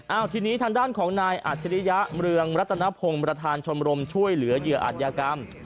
เอ้าท่านด้านของนายอัจฉันเตะยะเมืองมรัฐนพงศ์มาธารชมรมช่วยเหลือเหลืออัธยากรรม